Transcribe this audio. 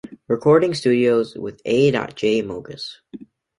Recording Studios with A. J. Mogis.